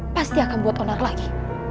pasti akan buat onar lagi